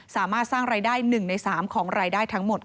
สามารถสร้างรายได้๑ใน๓ของรายได้ทั้งหมด